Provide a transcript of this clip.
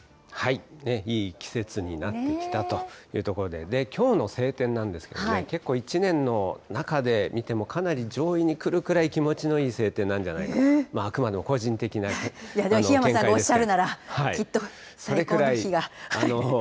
いい季節になってきたというところで、きょうの晴天なんですけどね、結構１年の中で見ても、かなり上位に来るくらい、気持ちのいい晴天なんじゃないかと、あ檜山さんがおっしゃるならき